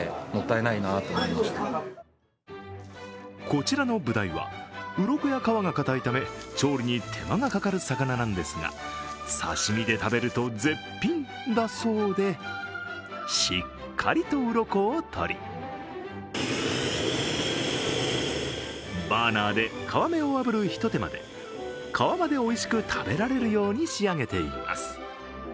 こちらのブダイはうろこや皮がかたいため、調理に手間がかかる魚名んですが、刺身で食べると絶品だそうで、しっかりとうろこを取りバーナーで皮目をあぶる一手間で皮までおいしく食べられるように仕上げています。